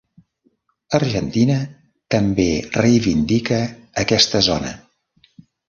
Argentina també reivindica aquesta zona.